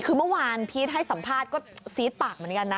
คือเมื่อวานพีชให้สัมภาษณ์ก็ซีดปากเหมือนกันนะ